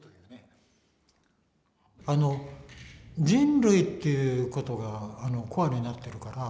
あの人類っていうことがコアになってるから。